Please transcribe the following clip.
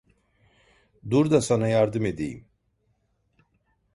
Dur da sana yardım edeyim.